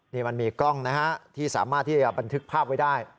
นี่มันมีกล้องนะฮะที่สามารถที่จะบันทึกภาพไว้ได้